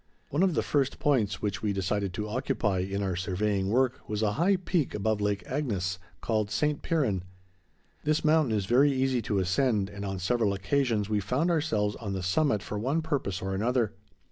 One of the first points which we decided to occupy in our surveying work was a high peak above Lake Agnes, called Saint Piran. This mountain is very easy to ascend and on several occasions we found ourselves on the summit for one purpose or another.